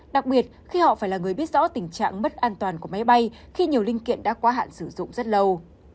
đặc biệt khi họ phải là người biết rõ tình trạng mất an toàn của máy bay khi nhiều linh kiện đã quá hạn sử dụng rất lâu